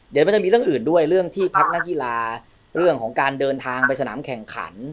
เดี๋ยวมันจะมีเรื่องอื่นด้วยเรื่องที่พักนักกีฬาเรื่องของการเดินทางไปสนามแข่งขัน